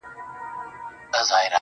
زما د تصور لاس گراني ستا پر ځــنگانـه.